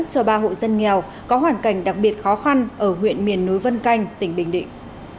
cho ba hộ dân nghèo có hoàn cảnh đặc biệt khó khăn ở huyện miền núi vân canh tỉnh bình định